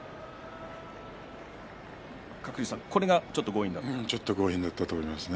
鶴竜さん、ここがちょっと強引というところですね。